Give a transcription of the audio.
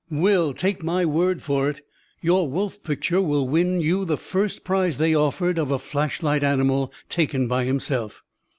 "Will, take my word for it, your wolf picture will win you the first prize they offered of a flashlight animal taken by himself!"